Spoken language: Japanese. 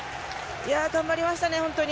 頑張りましたね、本当に。